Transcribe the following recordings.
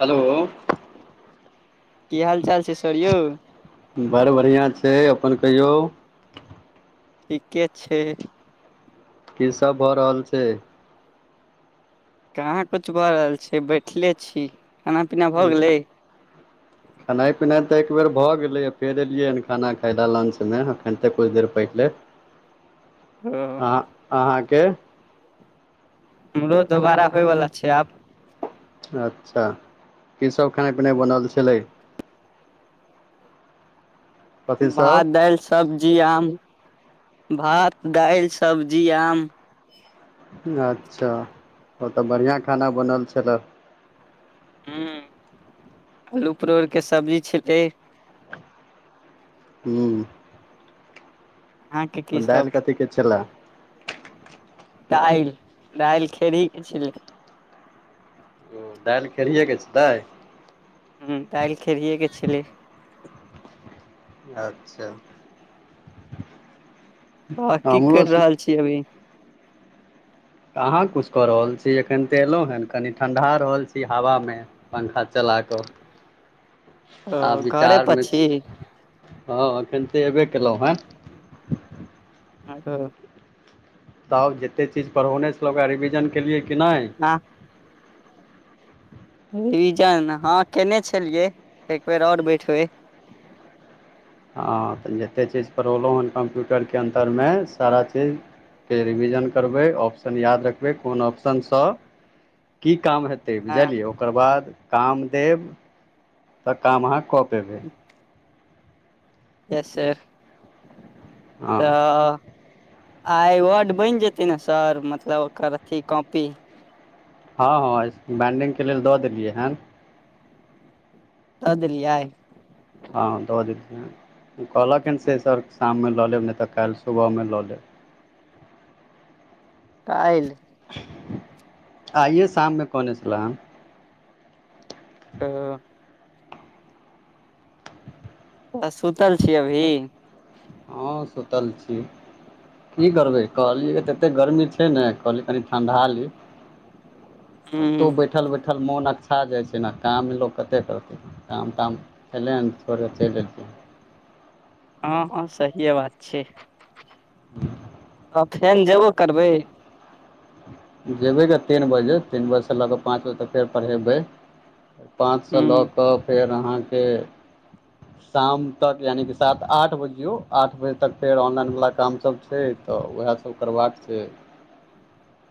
Hello. कि हाल चाल छै सर यौ बड़ बढ़िया छै अपन कहियौ ठीके छै। कि सभ भऽ रहल छै कहा कुछु भऽ रहल छै बैठले छी खाना पीना भऽ गेलै [inaudible] खेनाइ पिनाई तऽ एकबेर भऽ गेलै फेर एलियै हँ खाना खा लए लंचमे अखन ते किछु देर पहिले ओ अ अहाँकेँ हमरो दोबारा होइवाला छै आब अच्छा कि सभ खेनाइ पिनाइ बनल छलै कथी भात सब दालि सब्जी आम भात दालि सब्जी आम। अच्छा ओ तऽ बढ़िआ खाना बनल छलए हू आलू परोरके सब्जी छलै हूँ। अहाँकेँ कि सभ दालि कथीके छलए दाइल खेरही के छेले ओ दालि खेरेके छै ह तल खरिय छलै अच्छा तऽ की करि हमरो रहल छी अभी तऽ कहाँ कुछ कऽ रहल छी एखन तऽ एलहुँ हेन कनि ठंढा रहल छी हवा मे पंखा चला कऽ ओ आ घरे पर विचारमे छी हँ एखन ते एबे केलहुँ हँ ह त जते चीज पढ़ौने छलौ ओकरा रिविजन केलियै की ह रिविजन हँ केने छलियै एक बेर आओर बैठबै हँ तऽ जतेक चीज पढ़लहुँ हन कम्प्यूटरके अन्दरमे सारा चीज के रिविजन करबै ऑप्शन याद रखबै कोन ऑप्शनसँ की काम हेतै हँ बुझलियै ओकर बाद काम देब तऽ काम अहाँ कऽ पेबै यस सर हँ तऽ आइ वर्ड बनि जेतै ने सर मतलब ओकर अथी कॉपी हँ हँ बैंडिङंगके लेल दऽ देलियै हँ द देलीयै हँ दऽ देलियै कहलक ह से सर शाममे लऽ लेब नहि तऽ काल्हि सुबहमे लऽ लेब काल्हि आइए शाममे कने छल‌ए हन तऽ तऽ सुतल छियै अभी हँ सुतल छी की करबै कहलियै एते गर्मी छै ने कहलिय कनि ठण्डा ली हूँ अतो बैठल बैठल देखल मोन अक्छा जाइ छै ने काम लोग कते करतै काम ताम चलै छोड़े चलि अतियै हँ हँ सहिए बात छै तऽ फेन जेबो करबै जेबै क तीन बजे तीन बजेसँ लऽ कऽ पाँच बजे तक फेर पढ़ेबै पांच स हूँ लऽ के फेर अहाँ के शाम तक यानि कि सात आठ बजियौ आठ बजे तक फेर ऑनलाइनवला काम सब छै तऽ वएह सब सब करबाक छै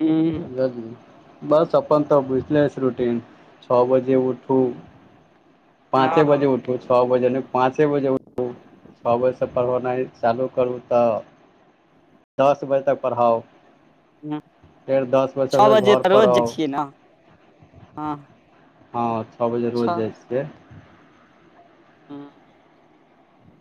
ह बस अपन तऽ बुझले अछि रूटीन छओ बजे उठू हँ पाँचे बजे हँ उठू छ बजे पाँचे बजे उठू छओ बजेसँ पढ़ेनाइ चालू करू तऽ दस बजे तक पढ़ाउ ह फेर दस बजेसँ छओ फेर बजे तऽ घरपर रोज जे आउ छियै ने हँ हँ छओ बजे रोज जाइ छियै ह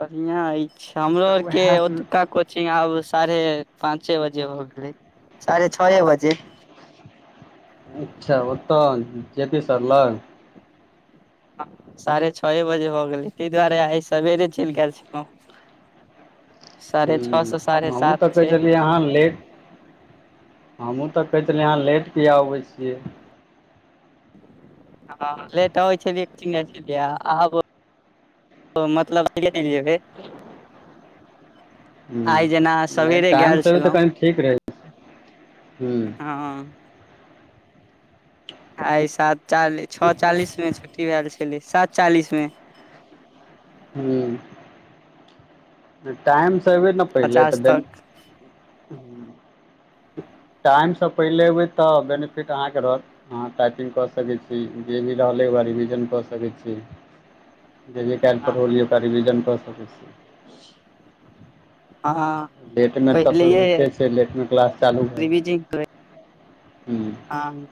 बढ़िआं अछि छै हमरो आरके ओतुका कोचिंग आब साढ़े पाँचे बजे हो गेलै साढ़े छए बजे अच्छा ओतऽ जे पी सर लग साढ़े छए बजे हो गेलै ताहि दुआरे आइ सेरे चलि गेल छल ह्म साढ़े हमहुँ सात तऽ कहै छै छलियै अहाँ लेट हमहूँ तऽ कहैत छलियै अहाँ लेट किया अबै छियै हँ लेट अबै छै आब मतलब अए नहि जेबे जेना नहि सवेरे टाइम गेल तऽ छलहुँ कनि ठीक रहै छै ह आइ सात चालीस छओ चालीस मे छुट्टी भेल छलै सात चालिस मे हैं टाइमसँ बे ने पहिले पचास तऽ तक टाइमसँ पहिले अयबै तऽ बेनिफिट अहाँकेँ रहत ह टाइपिंग कऽ सकैत छी जे भी रहलै ओकरा रिविजन कऽ सकैत छी जे भी काल्हि पढ़लिय ओकरा रिविजन कऽ सके छी हँ लेट मे तऽ पहिलैये बे छै लेट मे क्लास चालू भेल [unintelligible] हूँ। हैं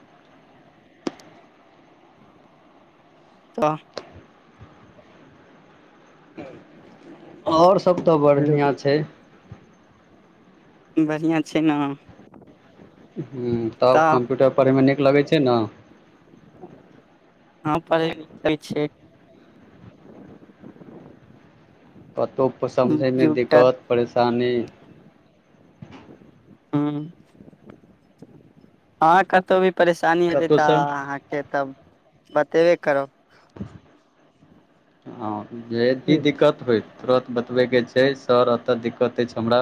तऽ। ओर सभ तऽ बढ़िआ छै बढ़िआ छै ने तब तऽ कम्प्यूटर पढ़ैमे नीक लगै छै ने ह पढ़ै लिखै छियै कतहु समझैमे कम्प्यूटर दिक्कत परेशानी। हु ह कतौ भी परेशानी हेतै तऽ कतहुसँ अहाँकेँ तब बतेबे करब ह जे भी दिक्कत ह तुरत बतबयके छै सर एतय दिक्कत अछि हमरा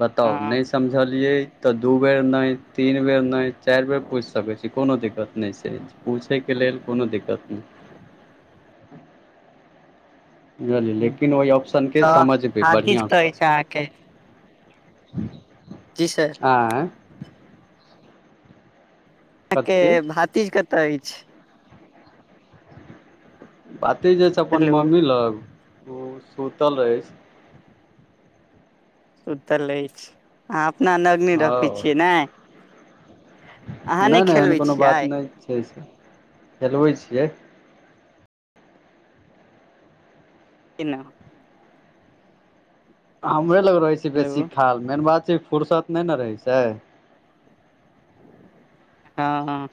बताउ नहि हँ समझ बुझलियै तऽ दू बेर नै तीन बेर नहि चारि बेर पूछि सकैत छी कोनो दिक्कत नहि छै। पूछैके लेलऽ कोनो दिक्कत नहि ह बुझलियै लेकिन ओहि ऑप्शनके तऽ समझबै भातिज कतऽ बढ़िआसँ अछि अहाँके ह जी सर। आ यहा के कथी भातिज कतय अछि भातिज जे छै अपन हेलो मम्मी लग ओ सुतल अछि। सुतल रहै छै अहा अपना नगनी हँ रखै छियै ने अहाँ नै नहि नै एहन खेलबै कोनो बात छियै नहि छै से हेलबैत छियै तना हमरे लग रहै छै बेसी हेलो खाल मेन बात छै फुरसत नहि ने रहै छै। ह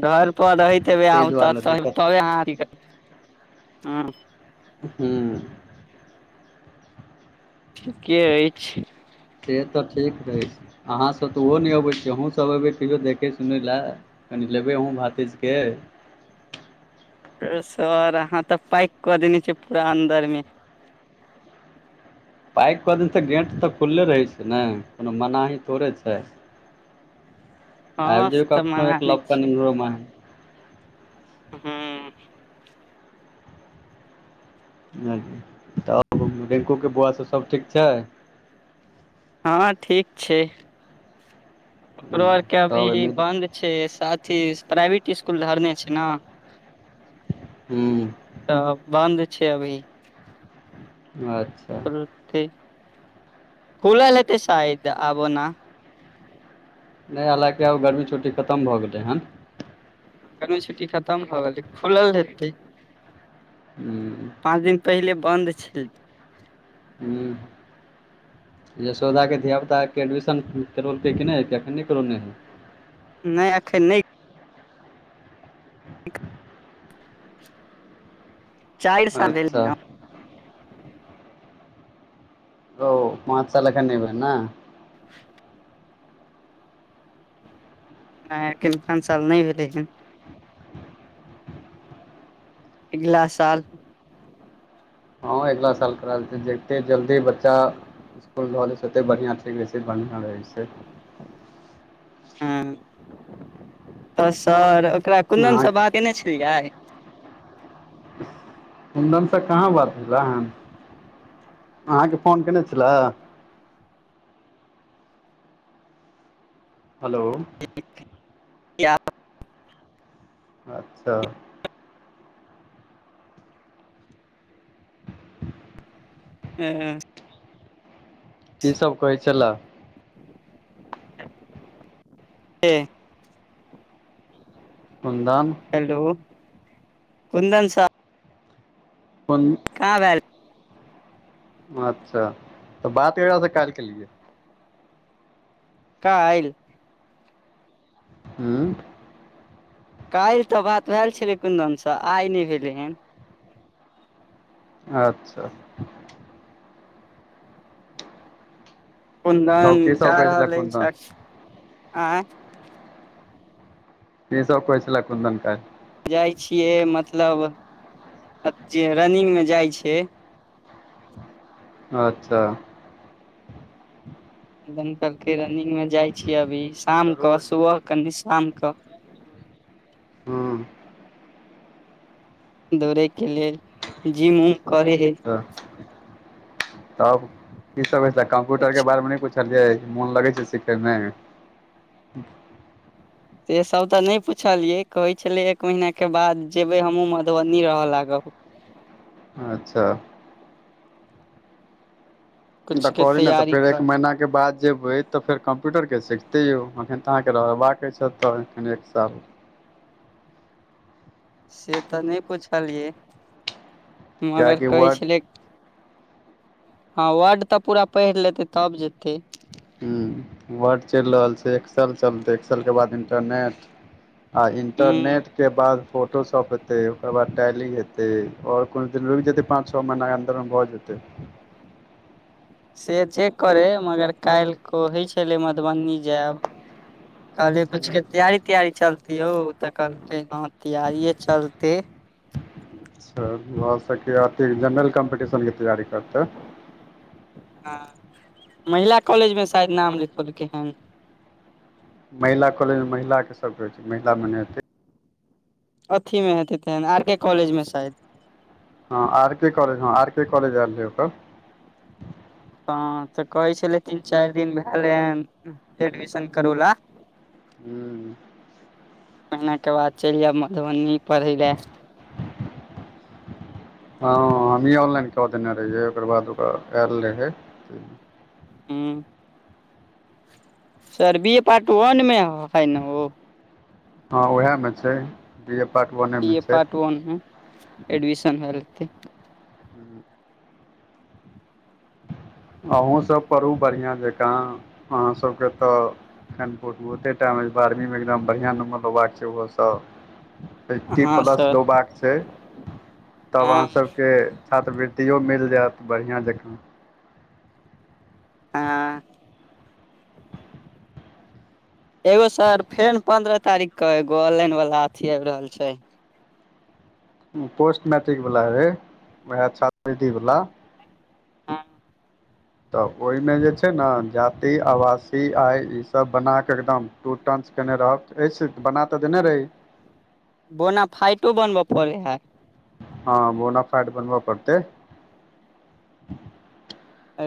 घर पर रहैतेबे आ ताहि दुआरे ते दिक्कत हू हू। के अछि। सेहत तऽ ठीक रहै छै। अहाँ सभ तऽ ओहो नहि अबैत छियै अहूँ सभ अबै कहियो देखै सुनै लए कनि लेबै अहूँ भातेज के सर अहाँ त पैक कऽ देने छिय पूरा अन्दर मे पइक कऽ दिन तऽ गेट तऽ खुले रहै छै ने कोनो मनाही थोड़े छै आब हँ जी से तऽ कखनो मना एक नहि लपकन छै इन्हरो माहे [unintelligible] [unintelligible] तब रिंकू केँ बौआ सब सब ठीक छै हँ ठीक छै [inaudible] ओकरो आर केँ तब अभी एहिमे बन्द छै साथी प्राइवेट इसकुल धरने छै न हूँ तऽ बन्द छै अभी अच्छा [unintelligible] खुलल हेतै शायद आब ओना नै हालाँकि आब गर्मी छुटी खतम भऽ गेलै हन गर्मी छुट्टी खतम भऽ गेलै खुलल हेतै हूँ पाँच दिन पहिले बन्द छै [unintelligible] यसौदा केँ धियापुता केँ एडमिशन करैलकै कि नै ह कि एखन नै करौने है नै अखैन नै चाइर साल भैले अच्छा न ओ पाँच साल अखैन नै भेलै ना नै एखैन पाँच साल नै भेलै हन ऐगिला साल हँ ऐगिला साल करा दैतै जते जल्दी बच्चा इसकुल धऽ लै छै ओते बढ़िआँ छैबै छै बढ़िआँ रहै छै ह [unintelligible] तऽ सर ओकरा अहाँ कुन्दनसँ बातेने छलियै [inaudible] कुन्दन से कहाँ बात भेला हन अहाँकेँ फोन कने छलै हेलो [unintelligible] अच्छ [unintelligible] की सब कहै छला [unintelligible] केँ कुन्दन हेलो [inaudible] कुन्दन स अपन कहाँ भैल अच्छा तऽ बात कैकर स काइल केँ लिए काइल हूँ काइल तऽ बात भैल छलै कुन्दन स आइ नै भेलै हेन अच्छा कुन्दन तब की सब जा कहै छलै रहल कुन्दन ऐछ [inaudible] आँ की सब क छलै कुन्दन काइल जाइ छियै मतलब [inaudible] रनिंग मे जाइ छै अच्छा एदम कहलकै रनिंग में जाइ छियै अभी शाम कऽ सरोज सुबह कनि शाम कऽ ह दौड़े के लेलऽ जिम उम करे है अच्छा तब कि सभ हो कम्प्यूटर के कुछ बारे मे कुछ सलियै मोन लगै छै सिखै मे। से सभ तऽ नहि पुछलियै कहै छलै एक महीना के बाद जेबे हमहूँ मधुबनी रह लाग अच्छा। ई तऽ कुछ के करी ने तऽ तैयारी फेर एक कर महिना हिके बाद जेबै तऽ फेर कम्प्यूटरके सिखतै यौ अखन तऽ अहाँकेँ रहबाके छै तऽ एखन एक साल से तऽ नहि पुछलियै मगर कियाकि कहे वर्ड छलै ह वर्ड तऽ पूरा पढ़ि लेतै तब जेतै ह वर्ड चलि रहल छै एक्साल चलतै एक्सालके बाद इन्टरनेट आ हूँ इन्टरनेट के बाद फोटोशॉप हेतै ओकर बाद डायइलि हेतै आओर कोनो दिन रुकि जेतै पाँच छओ महीना के अन्दर मे भऽ जेतै से चेक्क करे मगर काल्हि कह होइ छलै मधुबनी जायब ह। कहलि कुछके तैयारी तैयारी चलत यौ तऽ कहलकै ह तैयारिये चलते च वाँ सभके अथी जेनरल कम्पीटिशनके तैयारी करतै ह महिला कॉलेज मे शायद नाम लिखलकै हन महिला कॉलेज मे महिला के सभ छै महिला मेने हतै अथी मे हेते तेन आर के कॉलेज मे शायद। ह आर केॉलेज हँ आर के कॉलेज आयल रहै ओकर ह तऽ कहै छलै तीन चारि दिन भेल हन एडमिशन करैला ह महिना के बाद चलि जायब मधुबनी पढ़य लए [unintelligible] ह हमही ऑनलाइन कऽ देने रहियै ओकर बाद ओकरा आयल रह रहे ह सरबीए पार्ट वनमे हैन ओ ह उएहमे छै बी ए पार्ट वनेमे छै फोन मे एडमिशन भेलते। ह अहूँ सभ परहु बढ़िआ जकाँ अहाँ सभके तऽ एखन बहुते बहुते टाइम छै बारहवी मे एकदम बढ़िआ नम्बर लेबाक छै ओहोसभ अइ्टी हँ प्लस सर लडौबाक छै तब हँ अहाँ सभके छात्रवृत्तियो मिल जाएत बढ़िआ जकाँ ह एगो सर फेन पंन्द्रह तारीख के एगो ऑनलाइन वाला अथी आब रहल छै पोस्ट मैट्रिक वला है वएह छात्रवृत्री वाला ह तऽ ओहिमे जे छै ने जाति आवासीय आय ईसभ बना कऽ एकदम। टू टंच केने रहब एहिस बना तऽ देने रही बोना फाइटो बनबऽ पड़े है। हँ बोना फैट बनबऽ पड़तै। आ।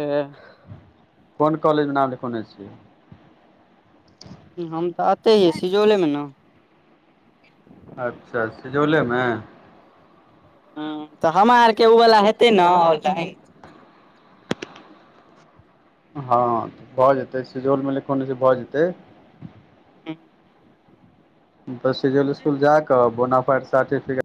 कोन कॉलेज मऽ नाम लिखोने छियै हम तऽ आते हियै सिजौले मे नऽ अच्छा सेजौले मे हँ तऽ हमरा आरके उ वला हेतै नऽ हँ भऽ जेतै सेजोल मे लिखेने छे भऽ जेतै तऽ सिजैल इस्कुल जैय कऽ बोना फाइट सर्टिफिकेट